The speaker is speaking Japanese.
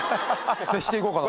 接していこうかなと。